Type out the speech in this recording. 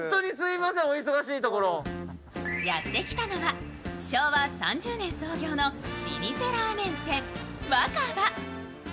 まずはやってきたのは昭和３０年創業の老舗ラーメン店・若葉。